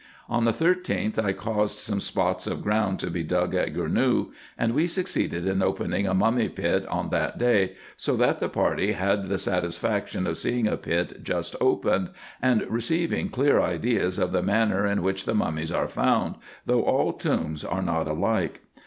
On the 13th I caused some spots of ground to be dug at Gournou, and we succeeded in opening a mummy pit on that day, so that the party had the satisfaction of seeing a pit just opened, and receiving clear ideas of the manner in which the mummies are found, though all tombs are not alike.